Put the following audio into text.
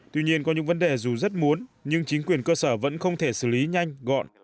tuy nhiên có những vấn đề dù rất muốn nhưng chính quyền cơ sở vẫn không thể xử lý nhanh gọn